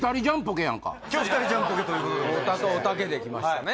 今日２人ジャンポケということで太田とおたけできましたね